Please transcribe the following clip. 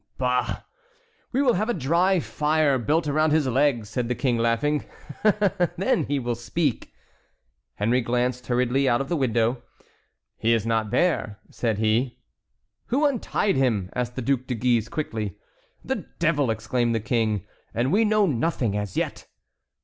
"Bah! we will have a dry fire built around his legs," said the King, laughing, "then he will speak." Henry glanced hurriedly out of the window. "He is not there," said he. "Who untied him?" asked the Duc de Guise, quickly. "The devil!" exclaimed the King, "and we know nothing as yet."